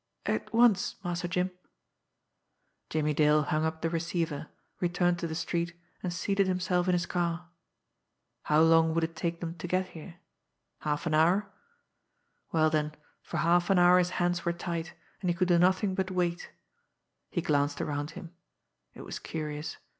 "At once, Master Jim." Jimmie Dale hung up the receiver, returned to the street, and seated himself in his car. How long would it take them to get here? Half an hour? Well then, for half an hour his hands were tied, and he could do nothing but wait. He glanced around him. It was curious!